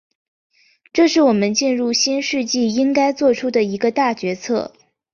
这是我们进入新世纪应该作出的一个大决策。